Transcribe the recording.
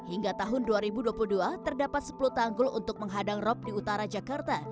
hingga tahun dua ribu dua puluh dua terdapat sepuluh tanggul untuk menghadang rob di utara jakarta